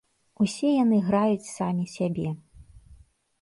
Усе яны граюць самі сябе.